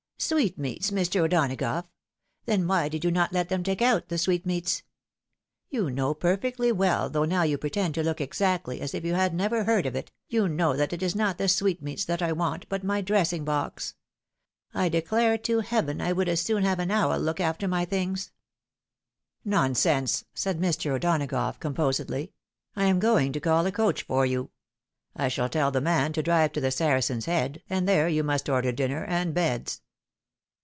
" Sweetmeats, Mr. O'Donagough ! Then why did you not let them take out the sweetmeats ? You know perfectly well, though now you pretend to look exactly as if you had never heard of it, you know that it is not the sweetmeats that I want, but my dressing box. I declare to Heaven I would as soon have an owl look after my things !"" Nonsense !" said Mr. O'Donagough, composedly ;" I am going to call a coach for you. I shall tell the man to drive to the Saracen's Head, and there you must order dinner and beds.